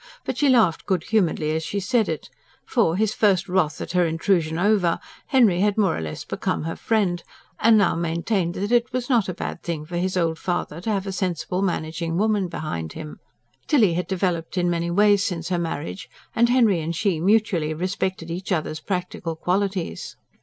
But she laughed good humouredly as she said it; for, his first wrath at her intrusion over, Henry had more or less become her friend; and now maintained that it was not a bad thing for his old father to have a sensible, managing woman behind him. Tilly had developed in many ways since her marriage; and Henry and she mutually respected each other's practical qualities.